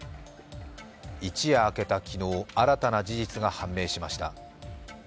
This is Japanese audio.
一夜明けた昨日、新たな事実が判明しました。